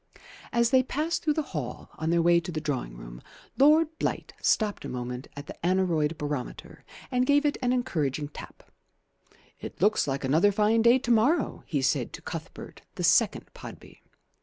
As they passed through the hall on their way to the drawing room, Lord Blight stopped a moment at the aneroid barometer and gave it an encouraging tap. "It looks like another fine day to morrow," he said to Cuthbert, the second Podby.